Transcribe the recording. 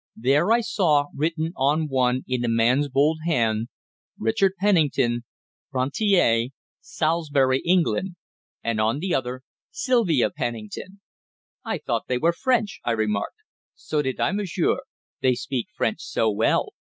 There I saw, written on one in a man's bold hand, "Richard Pennington, rentier, Salisbury, England," and on the other, "Sylvia Pennington." "I thought they were French," I remarked. "So did I, monsieur; they speak French so well.